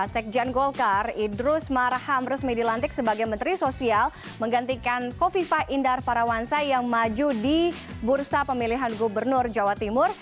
sekjen golkar idrus marham resmi dilantik sebagai menteri sosial menggantikan kofifa indar parawansa yang maju di bursa pemilihan gubernur jawa timur